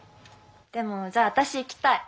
でもじゃあ私行きたい。